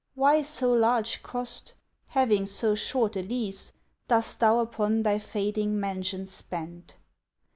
Why so large cost, having so short a lease, Dost thou upon thy fading mansion spend?